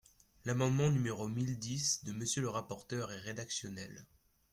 L’amendement numéro mille dix de Monsieur le rapporteur est rédactionnel.